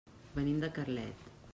Venim de Carlet.